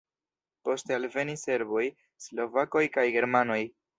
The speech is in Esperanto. Poste alvenis serboj, slovakoj kaj germanoj.